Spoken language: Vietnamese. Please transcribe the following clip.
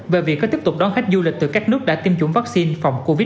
về việc có tiếp tục đón khách du lịch từ các nước đã tiêm chủng vaccine phòng covid một mươi chín